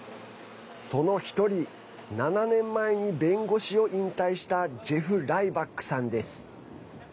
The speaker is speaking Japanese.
その１人７年前に弁護士を引退したジェフ・ライバックさんです。